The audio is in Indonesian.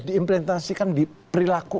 diimplementasikan di perilaku